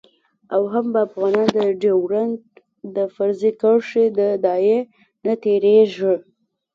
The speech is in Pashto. او هم به افغانان د ډیورند د فرضي کرښې د داعیې نه تیریږي